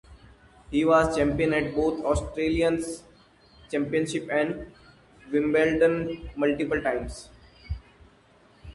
He was the champion at both the Australasian Championships and Wimbledon multiple times.